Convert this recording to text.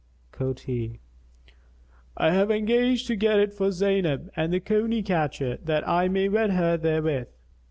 Quoth he, "I have engaged to get it for Zaynab the Coney catcher, that I may wed her therewith."